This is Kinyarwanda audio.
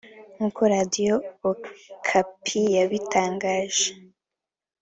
nk’uko Radio Okapi yabitangaje